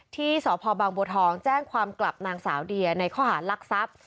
ที่สพบางบัวทองแจ้งความกลับนางสาวเดียในข้อหารลักทรัพย์